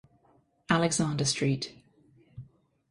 Alexander St.